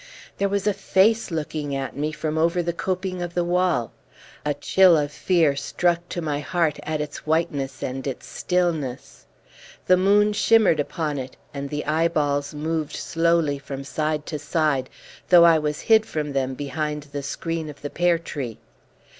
There was a face looking at me from over the coping of the wall. A chill of fear struck to my heart at its whiteness and its stillness. The moon shimmered upon it, and the eyeballs moved slowly from side to side, though I was hid from them behind the screen of the pear tree.